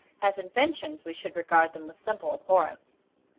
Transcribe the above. As inventions, we should regard them with simple abhorrence.